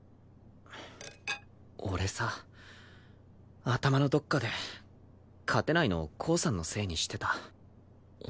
俺さ頭のどっかで勝てないのコウさんのせいにしてた。